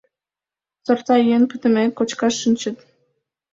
Сорта йӱлен пытымек, кочкаш шинчыч.